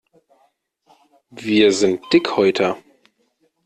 Wir sind Dickhäuter.